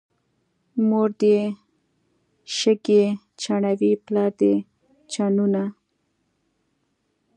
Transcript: مور دې شګې چڼوي، پلار دې چنونه.